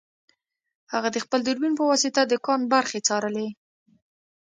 هغه د خپل دوربین په واسطه د کان برخې څارلې